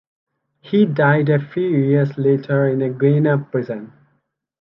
He died a few years later in a Guiana prison.